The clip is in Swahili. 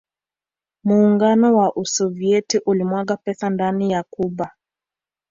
Muungano wa Usovieti ulimwaga pesa ndani ya Cuba